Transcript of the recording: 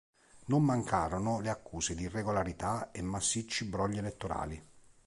Non mancarono le accuse di irregolarità e massicci brogli elettorali.